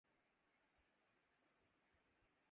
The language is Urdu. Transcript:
تجھے کس تمنا سے ہم دیکھتے ہیں